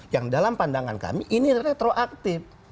yang dalam pandangan kami ini retroaktif